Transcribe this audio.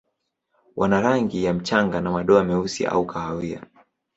Wana rangi ya mchanga na madoa meusi au kahawia.